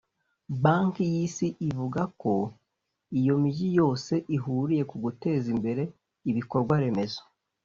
Banki y’Isi ivuga ko iyo mijyi yose ihuriye ku guteza imbere ibikorwa remezo